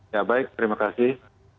ya baik terima kasih